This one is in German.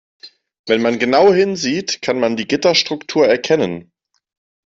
Wenn man genau hinsieht, kann man die Gitterstruktur erkennen.